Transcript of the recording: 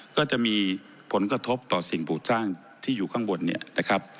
ก็จะมีผลกระทบต่อสิ่งปลูกสร้างที่อยู่ข้างบนเนี่ยนะครับ